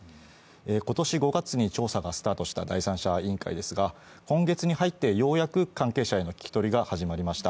今年５月に調査がスタートした第三者委員会ですが今月に入ってようやく関係者への聞き取りが始まりました。